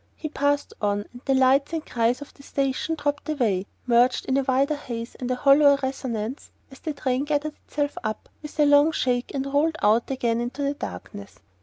He passed on, and the lights and cries of the station dropped away, merged in a wider haze and a hollower resonance, as the train gathered itself up with a long shake and rolled out again into the darkness.